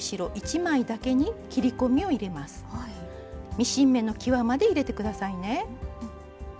ミシン目のきわまで入れて下さいね。